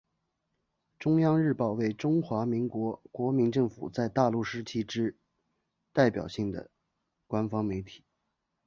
中央日报为中华民国国民政府在大陆时期之代表性的官方媒体。